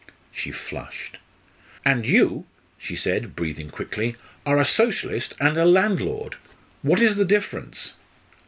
She flushed. "And you," she said, breathing quickly, "are a Socialist and a landlord. What is the difference?"